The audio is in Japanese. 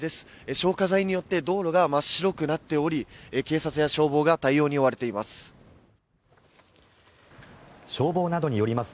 消火剤によって道路が真っ白くなっており警察や消防が対応に追われています。